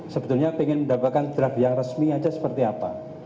sebetulnya ingin mendapatkan draft yang resmi aja seperti apa